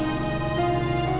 aku mau makan